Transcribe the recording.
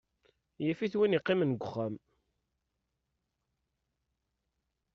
Yif-it win yeqqimen deg uxxam.